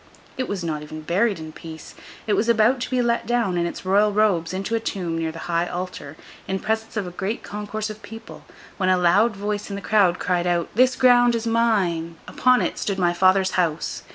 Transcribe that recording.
It was not even buried in peace. It was about to be let down, in its Royal robes, into a tomb near the high altar, in presence of a great concourse of people, when a loud voice in the crowd cried out, 'This ground is mine! Upon it, stood my father's house.